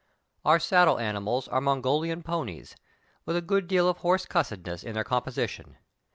Our saddle animals are Mongolian ponies, with a good deal of horse cussedness in their composb tion.